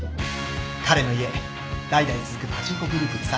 彼の家代々続くパチンコグループでさ。